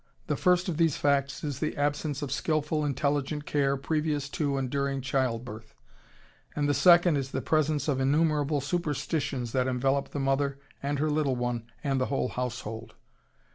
The first of these facts is the absence of skilful, intelligent care previous to and during childbirth, and the second is the presence of innumerable superstitions that envelop the mother and her little one and the whole household.